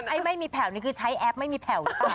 ไม่มีแผ่วนี่คือใช้แอปไม่มีแผ่ว